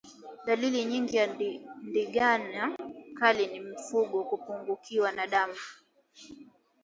Dalili nyingine ya ndigana kali ni mfugo kupungukiwa na damu